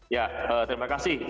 ya terima kasih